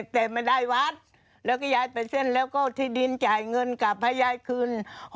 แต่ไม่ได้วัดแล้วก็ยายไปเส้นแล้วก็ที่ดินจ่ายเงินกลับให้ยายคืน